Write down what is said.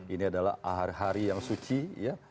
ini adalah hari yang suci ya